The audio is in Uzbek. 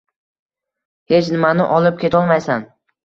Hech nimani olib ketolmaysan.